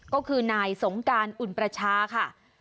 ก็คือนายสงการอุ่นประชาค่ะ